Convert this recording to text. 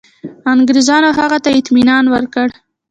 انګرېزانو هغه ته اطمیان ورکړ.